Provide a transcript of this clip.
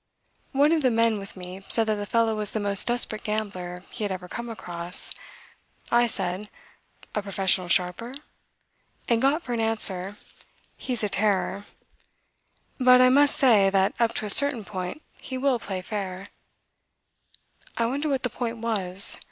One of the men with me said that the fellow was the most desperate gambler he had ever come across. I said: "A professional sharper?" and got for an answer: "He's a terror; but I must say that up to a certain point he will play fair. ..." I wonder what the point was.